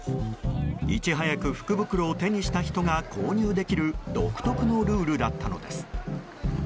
いち早く福袋を手にした人が購入できる独特のルールだったのです。